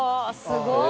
すごい！